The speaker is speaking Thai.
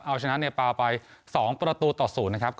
เอาชนะเนเปลาไป๒ประตูต่อศูนย์นะครับ